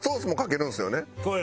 そう。